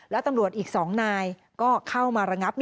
และตำรวจอีก๒นายก็เข้ามาระงับ